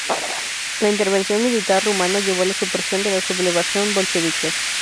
La intervención militar rumano llevó a la supresión de la sublevación bolchevique.